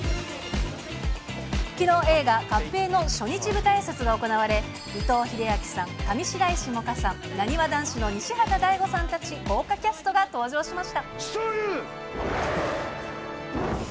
きのう、映画、カッペイの初日舞台あいさつが行われ、伊藤英明さん、上白石萌歌さん、なにわ男子の西畑大吾さんたち、豪華キャストが登場しました。